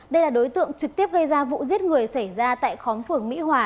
đây là đối tượng trực tiếp gây ra vụ giết người xảy ra tại khóm phường mỹ hòa